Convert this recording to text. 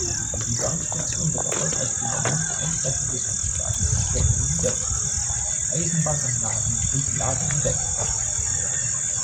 Die Bahnstation wird erfolgreich genommen, eintreffende Südstaaten-Verstärkungen niedergekämpft, Eisenbahnanlagen und Lager niedergebrannt.